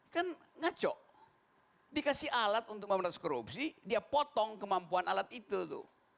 kan ngaco dikasih alat untuk memberantas korupsi dia potong kemampuan alat itu tuh